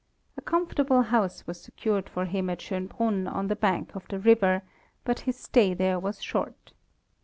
A comfortable house was secured for him at Schoenbrun on the bank of the river, but his stay here was short.